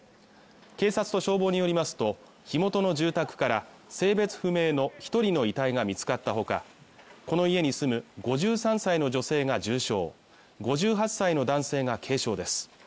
警察と消防によりますと火元の住宅から性別不明の一人の遺体が見つかったほかこの家に住む５３歳の女性が重傷５８歳の男性が軽傷です